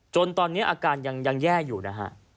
จนตอนนี้อาการยังแย่อยู่นะฮะ